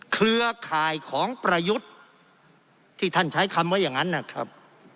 เครือข่ายของประยุทธ์ที่ท่านใช้คำว่าอย่างนั้นนะครับ